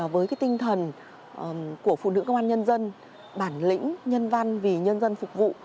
với tinh thần của phụ nữ công an nhân dân bản lĩnh nhân văn vì nhân dân phục vụ